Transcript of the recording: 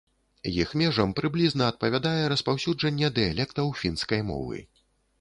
Іх межам прыблізна адпавядае распаўсюджанне дыялектаў фінскай мовы.